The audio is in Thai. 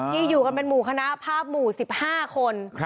อยู่กันเป็นหมู่คณะภาพหมู่๑๕คน